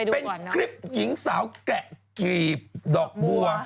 เป็นคลิปหญิงสาวแกะกรีบดอกบัว